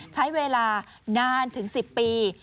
ใช้เวลานานถึง๑๐ปี